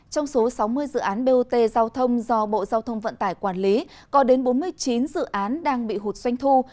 trong số sáu mươi dự án bot giao thông do bộ giao thông vận tải quản lý có đến bốn mươi chín dự án đang bị hụt xoanh thu